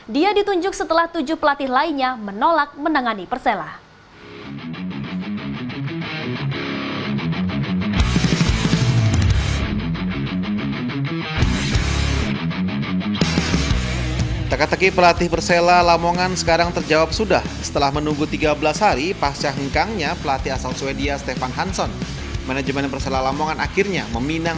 dia ditunjuk setelah tujuh pelatih lainnya menolak menangani persela